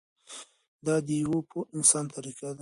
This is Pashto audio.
دا د یوه پوه انسان طریقه ده.